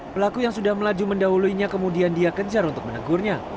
pelaku yang sudah melaju mendahuluinya kemudian dia kejar untuk menegurnya